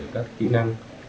các kỹ năng